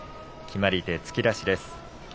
決まり手は突き出しです。